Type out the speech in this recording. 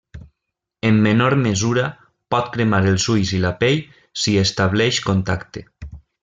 En menor mesura, pot cremar els ulls i la pell si hi estableix contacte.